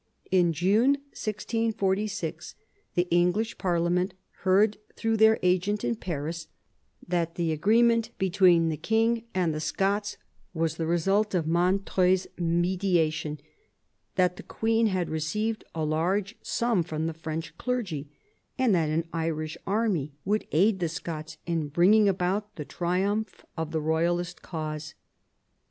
In June 1646 the English parliament heard through their agent in Paris that the agreement between the king and the Scots was the result of Montreuil's mediation, that the queen had received a large sum from the French clergy, and that an Irish army would aid the Scots in bringing about the triumph of the Eoyalist cause.